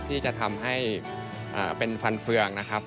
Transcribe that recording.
ที่จะทำให้เป็นฟันเฟืองนะครับ